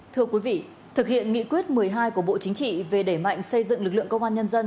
thưa quý vị thực hiện nghị quyết một mươi hai của bộ chính trị về đẩy mạnh xây dựng lực lượng công an nhân dân